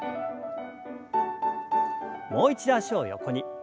もう一度脚を横に。